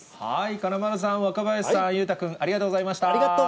金丸さん、若林さん、裕太君、ありがとうございます。